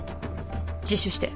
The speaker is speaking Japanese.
自首して。